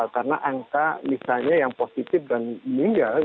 karena angka misalnya yang positif dan meninggal